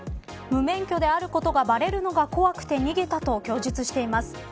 無免許であることがばれるのが怖くて逃げたと供述しています。